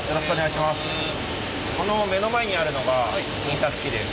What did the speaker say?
この目の前にあるのが印刷機です。